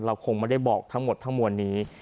คงไม่ได้บอกทั้งหมดทั้งมวลนี้